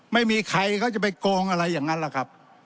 ไม่มีใครเขาจะไปโกงอะไรอย่างนั้นล่ะครับ